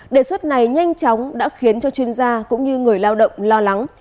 đề xuất này nhanh chóng đã khiến cho chuyên gia cũng như người lao động lo lắng